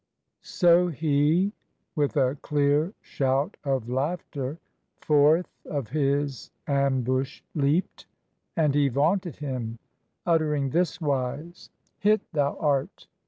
378 SO he, with a clear shout of laughter, Forth of his ambush leapt, and he vaunted him, uttering thiswise: "Hit thou art!